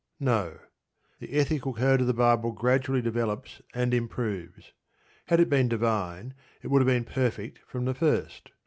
No. The ethical code of the Bible gradually develops and improves. Had it been divine it would have been perfect from the first.